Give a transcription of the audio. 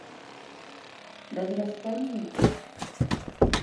— Бәҙрәфкәме ни?